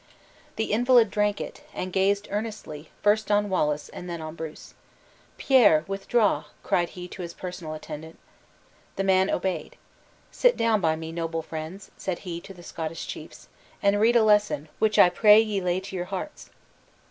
The invalid drank it, and gazed earnestly, first on Wallace and then on Bruce. "Pierre, withdraw," cried he to his personal attendant. The man obeyed. "Sit down by me, noble friends," said he to the Scottish chiefs, "and read a lesson, which I pray ye lay to your hearts!"